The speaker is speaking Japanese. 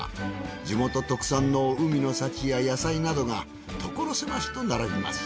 地元特産の海の幸や野菜などが所狭しと並びます。